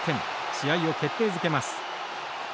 試合を決定づけます。